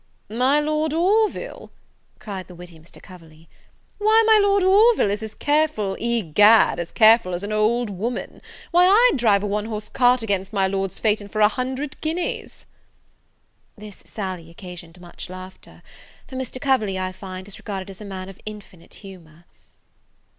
"My Lord Orville!" cried the witty Mr. Coverley, "why, my Lord Orville is as careful, egad, as careful as an old woman! Why, I'd drive a one horse cart against my Lord's phaeton for a hundred guineas!" This sally occasioned much laughter; for Mr. Coverley, I find, is regarded as a man of infinite humour.